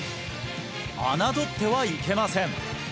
侮ってはいけません！